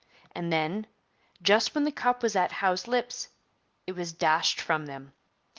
And then, just when the cup was at Howe's lips, it was dashed from them.